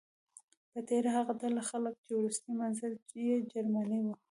په تیره هغه ډله خلک چې وروستی منزل یې جرمني و.